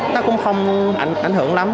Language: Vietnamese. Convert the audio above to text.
nó cũng không ảnh hưởng lắm